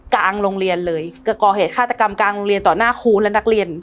กลางโรงเรียนเลยก็ก่อเหตุฆาตกรรมกลางโรงเรียนต่อหน้าครูและนักเรียน